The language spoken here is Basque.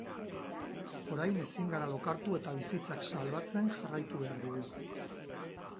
Orain ezin gara lokartu eta bizitzak salbatzen jarraitu behar dugu.